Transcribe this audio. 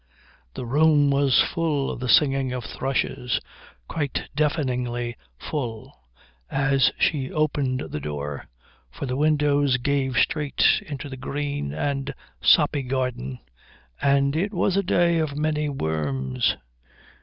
The room was full of the singing of thrushes, quite deafeningly full, as she opened the door, for the windows gave straight into the green and soppy garden and it was a day of many worms.